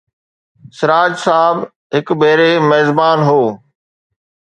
سراج صاحب هن ڀيري ميزبان هو.